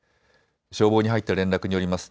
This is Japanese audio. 消防に入った連絡によります